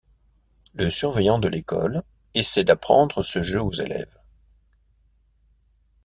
Le surveillant de l'école essaye d'apprendre ce jeu aux élèves.